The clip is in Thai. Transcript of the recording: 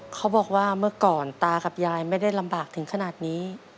เขาบอกว่าเมื่อก่อนตากับยายไม่ได้ลำบากถึงขนาดนี้